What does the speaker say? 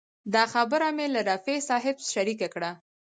دا خبره مې له رفیع صاحب شریکه کړه.